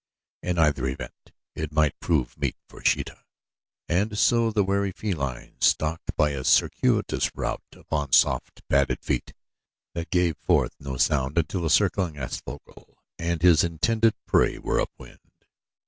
In either event it might prove meat for Sheeta, and so the wary feline stalked by a circuitous route, upon soft, padded feet that gave forth no sound, until the circling aasvogel and his intended prey were upwind.